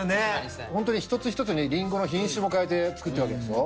ホントに一つ一つにリンゴの品種も変えて作ってるわけでしょ